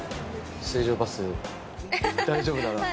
水上バス大丈夫なら。